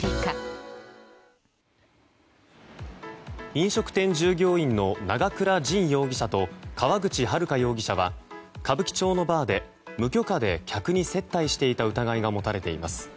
飲食店従業員の永倉迅容疑者と川口遼容疑者は歌舞伎町のバーで無許可で客に接待していた疑いが持たれています。